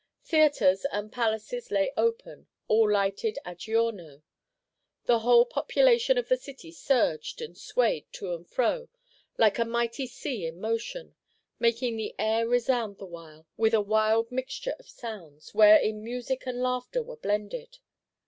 Theatres and palaces lay open, all lighted "a giorno." The whole population of the city surged and swayed to and fro like a mighty sea in motion, making the air resound the while with a wild mixture of sounds, wherein music and laughter were blended.